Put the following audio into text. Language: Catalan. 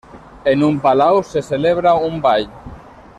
En un palau se celebra un ball.